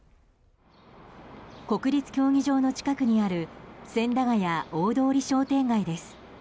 国立競技場の近くにある千駄ヶ谷大通り商店街です。